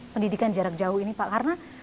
pendidikan jarak jauh ini pak karena